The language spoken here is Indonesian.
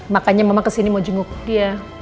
makanya memang kesini mau jenguk dia